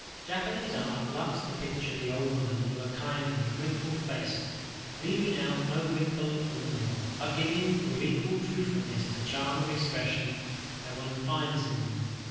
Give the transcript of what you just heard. Japanese art loves to picture the old woman with her kindly, wrinkled face, leaving out no wrinkle of them all, but giving with equal truthfulness the charm of expression that one finds in them.